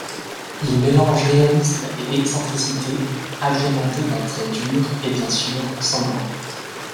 Il mélange réalisme et excentricité, agrémentés d'un trait dur et bien sûr sanglant.